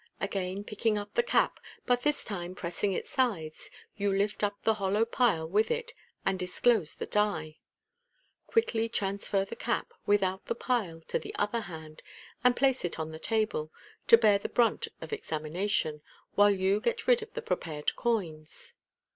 Again picking up the cap, but this time pressing its sides, you lift up the hollow pile with it, and disclose the die. Quickly transfer the cap, without the pile, to the other hand, and place it on the table, to bear the brunt of examination, while you get rid of the prepared coins.